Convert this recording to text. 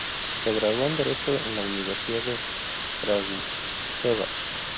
Se graduó en derecho en la Universidad de Kragujevac.